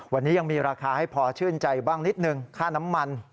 วันนี้ยังมีราคาให้พอชื่นใจบ้างนิดนึงค่าน้ำมัน